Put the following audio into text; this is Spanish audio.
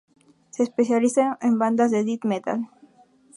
Se especializa en bandas de death metal.